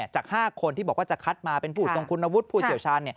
จาก๕คนที่บอกว่าจะคัดมาเป็นผู้ทรงคุณวุฒิผู้เชี่ยวชาญ